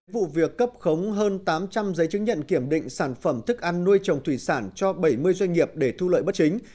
vụ việc cấp khống hơn tám trăm linh giấy chứng nhận kiểm định sản phẩm thức ăn nuôi trồng thủy sản cho bảy mươi doanh nghiệp để thu lợi bất chính